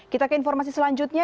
kita ke informasi selanjutnya